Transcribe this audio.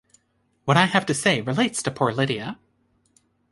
What I have to say relates to poor Lydia.